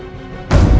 istighfar pan ya kan